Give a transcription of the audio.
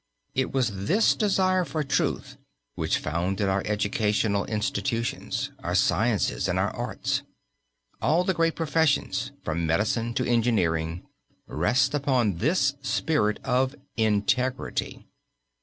It was this desire for truth which founded our educational institutions, our sciences and our arts. All the great professions, from medicine to engineering, rest upon this spirit of integrity.